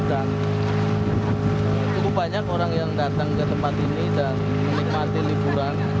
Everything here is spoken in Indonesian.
dan cukup banyak orang yang datang ke tempat ini dan menikmati liburan